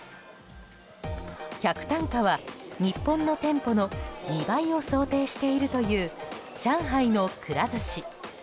客単価は日本の店舗の２倍を想定しているという上海の、くら寿司。